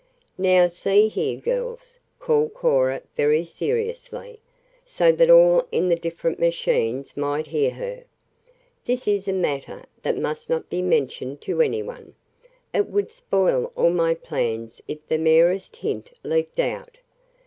"Now see here, girls," called Cora very seriously, so that all in the different machines might hear her, "this is a matter that must not be mentioned to any one. It would spoil all my plans if the merest hint leaked out.